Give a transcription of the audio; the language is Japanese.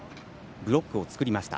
ブロックを作りました。